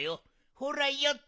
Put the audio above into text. ほらよっと！